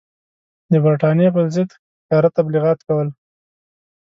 د برټانیې پر ضد ښکاره تبلیغات کول.